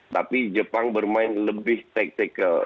tapi jepang bermain lebih tactical